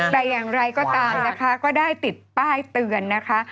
แต่อย่างไรก็ตามนะคะก็ได้ติดป้ายเตือนนะคะ